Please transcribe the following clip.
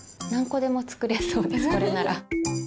何個でも作れそうですこれなら。